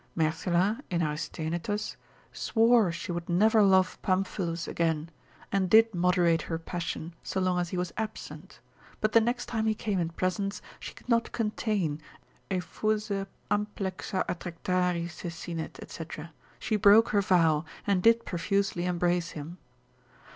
Mertila, in Aristaenetus, swore she would never love Pamphilus again, and did moderate her passion, so long as he was absent; but the next time he came in presence, she could not contain, effuse amplexa attrectari se sinit, &c., she broke her vow, and did profusely embrace him.